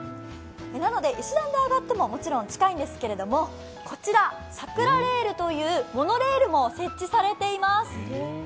なので石段で上がっても、もちろん近いんですけれどもこらち、さくらレールというモノレールも設置されています。